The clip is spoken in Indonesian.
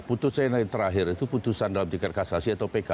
putusan yang terakhir itu putusan dalam tingkat kasasi atau pk